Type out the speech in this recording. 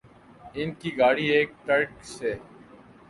ان کی گاڑی ایک ٹرک سے